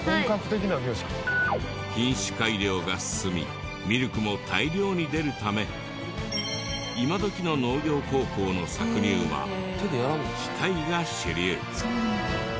品種改良が進みミルクも大量に出るため今どきの農業高校の搾乳は機械が主流。